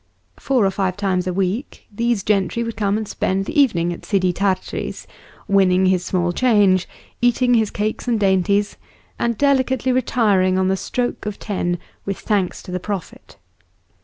Four or five times a week these gentry would come and spend the evening at Sidi Tart'ri's, winning his small change, eating his cakes and dainties, and delicately retiring on the stroke of ten with thanks to the Prophet.